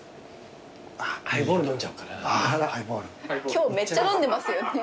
今日めっちゃ飲んでますよね。